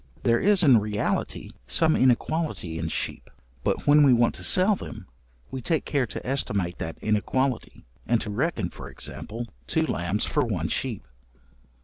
There is in reality some inequality in sheep, but when we want to sell them, we take care to estimate that inequality, and to reckon (for example) two lambs for one sheep.